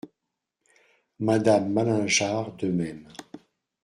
Madame Malingear , de même.